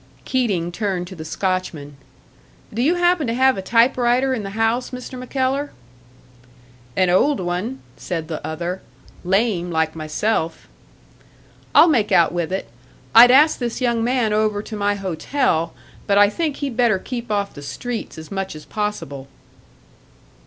Keating turned to the Scotchman. "Do you happen to have a typewriter in the house, Mr. MacKellar?" "An old one," said the other "lame, like myself." "I'll make out with it. I'd ask this young man over to my hotel, but I think he'd better keep off the streets as much as possible."